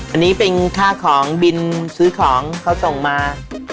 อันนี้เป็นค่าของบินซื้อของเขาส่งมา